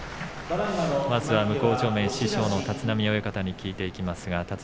まずは向正面、師匠の立浪親方に聞いていきます。